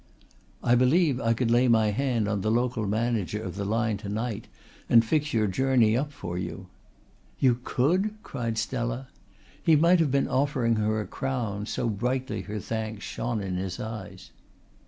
"I believe I could lay my hand on the local manager of the line to night and fix your journey up for you." "You could?" cried Stella. He might have been offering her a crown, so brightly her thanks shone in her eyes.